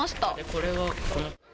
これはこれ。